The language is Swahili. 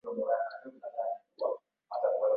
Iran ina mchanganyiko wa makabila na dini uliounganishwa na